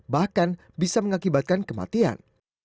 bahkan bisa mengakibatkan kematian